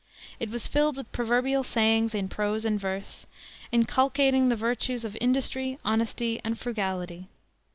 It was filled with proverbial sayings in prose and verse, inculcating the virtues of industry, honesty, and frugality.